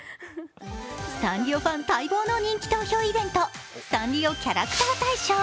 サンリオファン待望の人気投票イベント、サンリオキャラクター大賞。